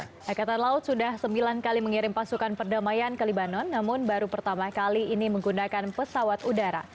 angkatan laut sudah sembilan kali mengirim pasukan perdamaian ke libanon namun baru pertama kali ini menggunakan pesawat udara